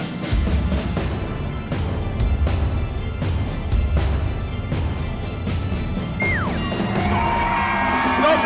ส้มสอง